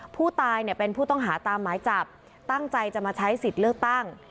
ผู้ตายเนี่ยเป็นผู้ต้องหาตามหมายจับตั้งใจจะมาใช้สิทธิ์เลือกตั้ง